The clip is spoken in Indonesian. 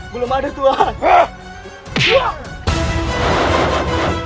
belum ada tuhan